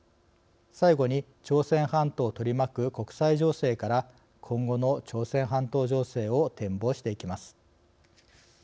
最後に朝鮮半島を取り巻く国際情勢から今後の朝鮮半島情勢を展望していきます。